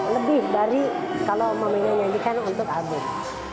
lebih dari kalau mama ina nyanyikan untuk album